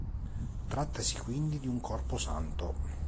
Trattasi quindi di un corpo santo.